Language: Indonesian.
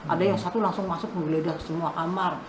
ada yang satu langsung masuk menggeledah semua kamar